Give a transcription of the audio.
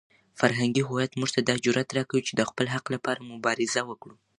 فرهنګي هویت موږ ته دا جرئت راکوي چې د خپل حق لپاره مبارزه وکړو.